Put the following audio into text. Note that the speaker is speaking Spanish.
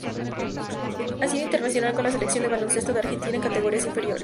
Ha sido internacional con la Selección de baloncesto de Argentina en categorías inferiores.